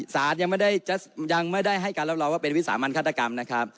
ศาลยังไม่ได้ให้การรับรองว่าเป็นวิสาห์มันฆาตกรรม